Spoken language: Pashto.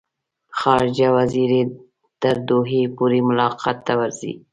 خارجه وزیر یې تر دوحې پورې ملاقات ته ورځي.